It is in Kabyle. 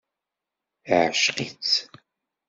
Iεceq-itt.